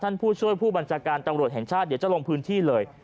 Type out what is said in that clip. ผู้ช่วยผู้บัญชาการตำรวจแห่งชาติเดี๋ยวจะลงพื้นที่เลย